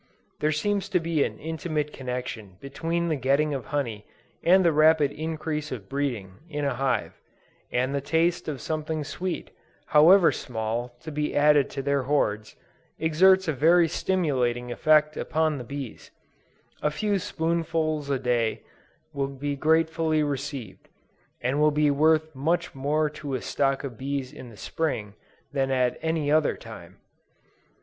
There seems to be an intimate connection between the getting of honey, and the rapid increase of breeding, in a hive; and the taste of something sweet, however small, to be added to their hoards, exerts a very stimulating effect upon the bees; a few spoonsfull a day, will be gratefully received, and will be worth much more to a stock of bees in the Spring, than at any other time.